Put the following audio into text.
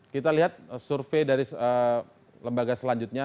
kita lihat survei dari lembaga selanjutnya